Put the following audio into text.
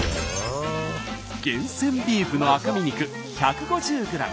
厳選ビーフの赤身肉１５０ｇ。